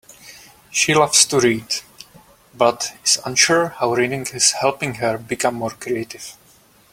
She loves to read, but is unsure how reading is helping her become more creative.